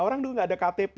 orang dulu nggak ada ktp